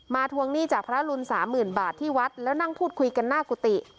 ทวงหนี้จากพระรุนสามหมื่นบาทที่วัดแล้วนั่งพูดคุยกันหน้ากุฏิ